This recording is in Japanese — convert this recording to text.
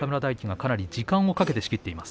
かなり時間をかけて仕切っています。